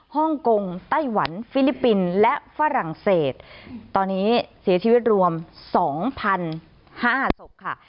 ฮ่องกงไต้หวันฟิลิปปินส์และฝรั่งเศสตอนนี้เสียชีวิตรวม๒๕ศพค่ะ